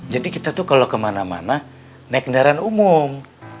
jadi kita tuh kalo kemana mana naik gendahiran umum